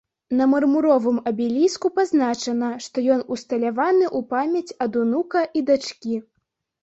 На мармуровым абеліску пазначана, што ён усталяваны ў памяць ад унука і дачкі.